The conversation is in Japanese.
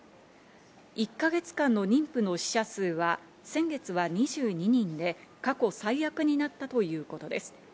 １か月間の妊婦の死者数は先月は２２人で、過去最悪になったということです。